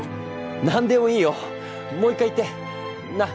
何でもいいよもう１回言ってなっ？